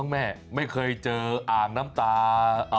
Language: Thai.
แม่ไม่เคยเจออ่างน้ำตา